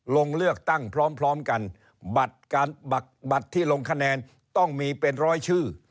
ลงเลือกตั้งพร้อมกันบัตรที่ลงคะแนนต้องมีเป็นร้อยชื่อ